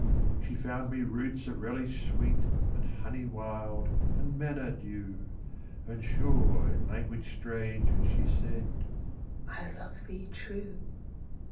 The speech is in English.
VII.She found me roots of relish sweet, And honey wild, and manna dew, And sure in language strange she said—"I love thee true."